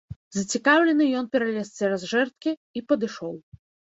Зацікаўлены, ён пералез цераз жэрдкі і падышоў.